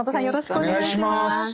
よろしくお願いします。